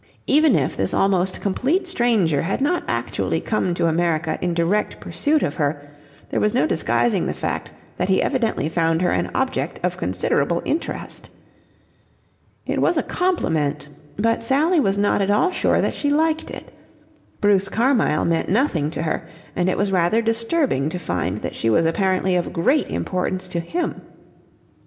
Even if this almost complete stranger had not actually come to America in direct pursuit of her, there was no disguising the fact that he evidently found her an object of considerable interest. It was a compliment, but Sally was not at all sure that she liked it. Bruce Carmyle meant nothing to her, and it was rather disturbing to find that she was apparently of great importance to him.